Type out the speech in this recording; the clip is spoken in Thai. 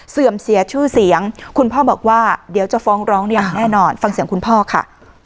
เสื่อมเสียชื่อเสียงคุณพ่อบอกว่าเดี๋ยวจะฟ้องร้องอย่างแน่นอนฟังเสียงคุณพ่อค่ะ